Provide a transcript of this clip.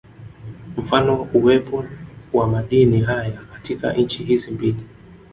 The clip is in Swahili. Mfano uwepo wa madini haya katika nchi hizi mbili